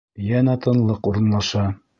Йәнә тынлыҡ урынлаша.